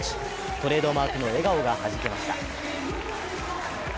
トレードマークの笑顔がはじけました。